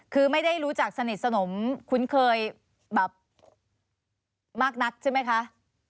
คือไม่ได้รู้จักสนิทสนมคุ้นเคยแบบมากนักใช่ไหมคะ